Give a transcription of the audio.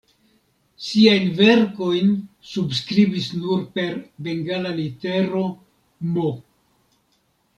Siajn verkojn subskribis nur per bengala litero "M".